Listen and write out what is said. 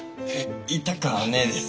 い痛かねえです。